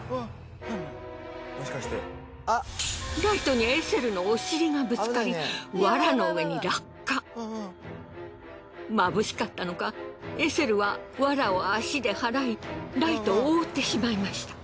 ライトにエセルのお尻がぶつかりまぶしかったのかエセルはワラを足で払いライトを覆ってしまいました。